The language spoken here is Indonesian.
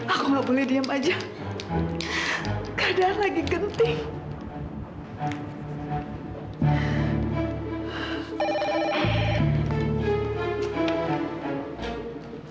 aku gak boleh diam aja keadaan lagi genting